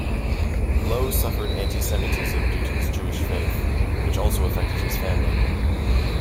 Loewe suffered Anti Semitism due to his Jewish faith, which also affected his family.